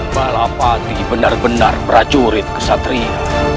balapati benar benar prajurit kesatria